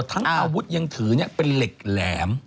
ทั้งอาวุธยังถือเป็นเหล็กแหลม